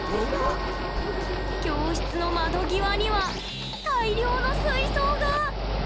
教室の窓際には、大量の水槽が！